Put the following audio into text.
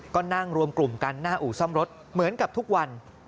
ก็นั่งรวมกลุ่มกันหน้าอู่ซ่อมรถเหมือนกับทุกวัน